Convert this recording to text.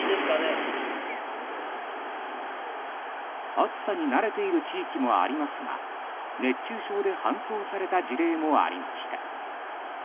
暑さに慣れている地域もありますが熱中症で搬送された事例もありました。